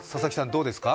どうですか？